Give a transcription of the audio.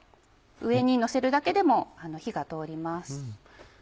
上にのせるだけでも火が通ります。